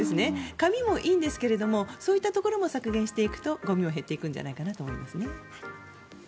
紙もいいんですけどもそういったところも削減していくとゴミも減っていくんじゃないかと思いますね。